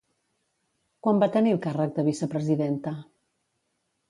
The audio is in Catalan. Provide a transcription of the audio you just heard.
Quan va tenir el càrrec de vicepresidenta?